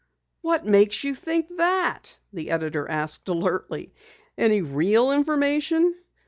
"What makes you think that?" the editor asked alertly. "Any real information?"